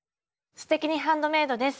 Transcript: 「すてきにハンドメイド」です。